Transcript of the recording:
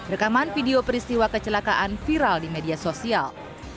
rekaman video peristiwa kecelakaan viral di media sosial